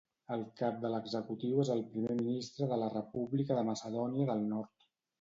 El cap de l'executiu és el Primer Ministre de la República de Macedònia del Nord.